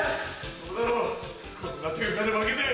そうだろこんな点差で負けて。